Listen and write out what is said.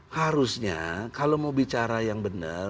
harusnya kalau mau bicara yang benar